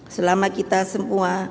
selama kita semua